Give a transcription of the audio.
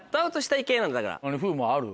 風磨ある？